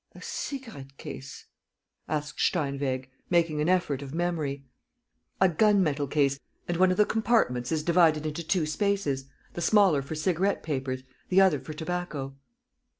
"A cigarette case?" asked Steinweg, making an effort of memory. "A gun metal case ... and one of the compartments is divided into two spaces, the smaller for cigarette papers, the other for tobacco.